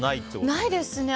ないですね。